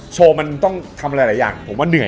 โชว์มันต้องทำอะไรหลายอย่างผมว่าเหนื่อย